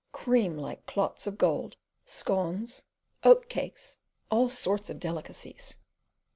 cream like clots of gold, scones, oat cakes, all sorts of delicacies!